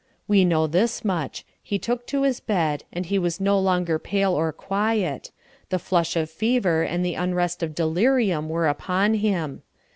We know this much: he took to his bed, and he was no longer pale or quiet; the flush of fever and the unrest of delirium were upon him.